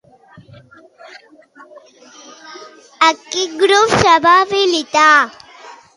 I en quin grup va militar?